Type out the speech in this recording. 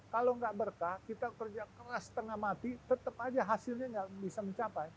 kalau nggak berkah kita kerja keras tengah mati tetap aja hasilnya nggak bisa mencapai